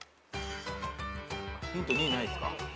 ヒント２ないっすか？